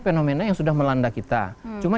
fenomena yang sudah melanda kita cuma